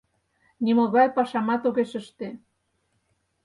Нимогай пашамат огеш ыште...